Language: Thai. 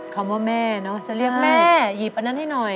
คำว่าแม่เนอะจะเรียกแม่หยิบอันนั้นให้หน่อย